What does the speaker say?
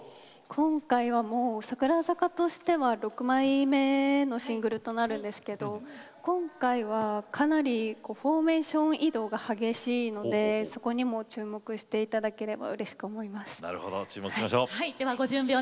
今回は、櫻坂としては６枚目のシングルとなるんですけど今回は、かなりフォーメーション移動が激しいのでそこにも注目していただければうれしく思います。